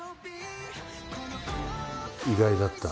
意外だった。